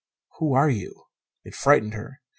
"Who are you?" It frightened her.